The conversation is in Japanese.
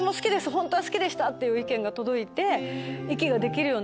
「本当は好きでした」って意見が届いて息ができるようになって。